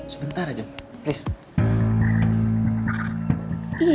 sebentar aja please